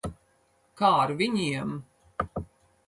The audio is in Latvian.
Kā ar viņiem?